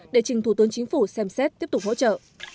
để trình thủ tướng chính phủ xem xét tiếp tục hỗ trợ